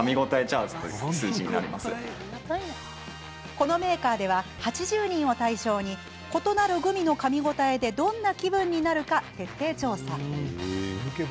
このメーカーでは８０人を対象に異なるグミのかみ応えでどんな気分になるか徹底調査。